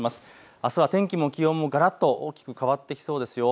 あすは天気も気温もがらっと大きく変わってきそうです。